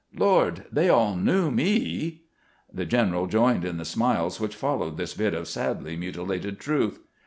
Lord, they all knew me !" The general joined in the smiles which followed this bit of sadly mutilated truth.